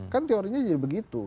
kan teorinya jadi begitu